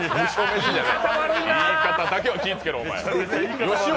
言い方だけは気をつけろ、お前。